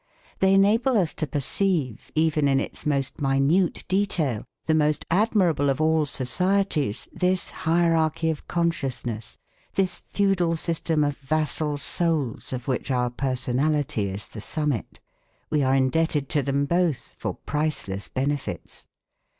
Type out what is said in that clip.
They enable us to perceive, even in its most minute detail, the most admirable of all societies, this hierarchy of consciousness, this feudal system of vassal souls, of which our personality is the summit. We are indebted to them both for priceless benefits.